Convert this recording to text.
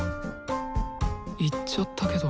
行っちゃったけど。